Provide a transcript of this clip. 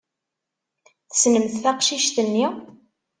Tessnemt taqcict-nni?